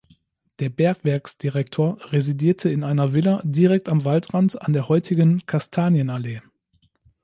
Der Bergwerksdirektor residierte in einer Villa direkt am Waldrand an der heutigen Kastanienallee.